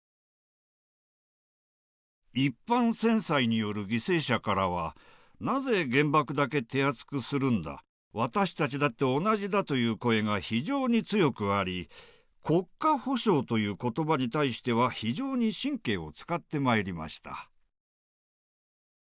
一般戦災による犠牲者からはなぜ原爆だけ手厚くするんだ私たちだって同じだという声が非常に強くあり国家補償ということばに対しては非常に神経を使ってまいりました。